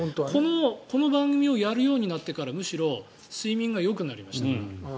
この番組をやるようになってからむしろ睡眠がよくなりましたから。